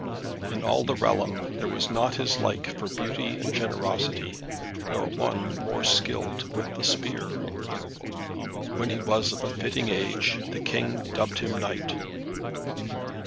In all the realm there was not his like for beauty and generosity, nor one more skilled with the spear. When he was of a fitting age the King dubbed him knight.